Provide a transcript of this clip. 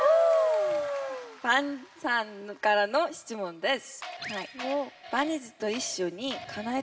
バンさんからの質問です。